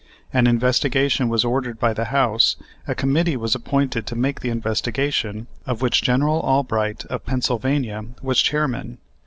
An investigation was ordered by the House. A committee was appointed to make the investigation, of which General Albright, of Pennsylvania, was chairman.